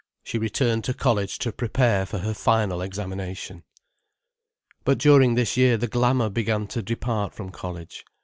She returned to college to prepare for her final examination. But during this year the glamour began to depart from college.